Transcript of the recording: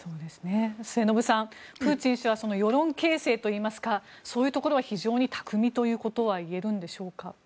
末延さん、プーチン氏は世論形成といいますかそういうところは非常に巧みということは言えるんでしょうか。